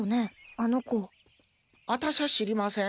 あたしゃ知りません。